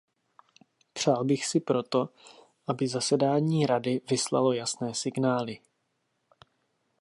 Přál bych si proto, aby zasedání Rady vyslalo jasné signály.